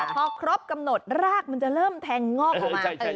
พอครบกำหนดรากมันจะเริ่มแทงงอกออกมา